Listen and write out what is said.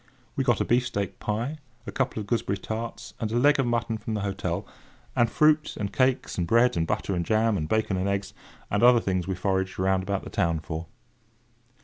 We got a beefsteak pie, a couple of gooseberry tarts, and a leg of mutton from the hotel; and fruit, and cakes, and bread and butter, and jam, and bacon and eggs, and other things we foraged round about the town for.